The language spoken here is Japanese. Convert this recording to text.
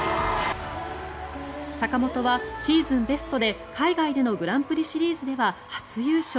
坂本はシーズンベストで海外でのグランプリシリーズでは初優勝。